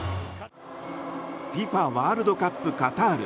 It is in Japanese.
ＦＩＦＡワールドカップカタール。